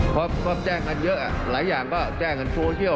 เพราะแจ้งกันเยอะหลายอย่างก็แจ้งกันโซเชียล